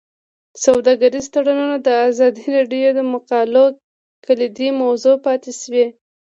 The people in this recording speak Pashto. سوداګریز تړونونه د ازادي راډیو د مقالو کلیدي موضوع پاتې شوی.